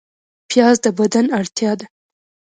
پیاز د بدن اړتیا ده